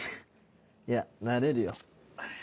いや慣れるよ。